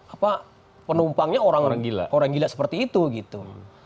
apa penumpangnya orang gila seperti itu gitu